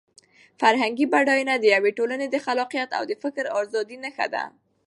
فرهنګي بډاینه د یوې ټولنې د خلاقیت او د فکر د ازادۍ نښه ده.